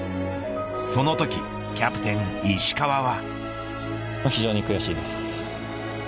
そのときキャプテン石川は。